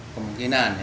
ke mungkinan ya